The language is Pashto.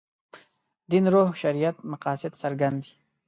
دین روح شریعت مقاصد څرګند دي.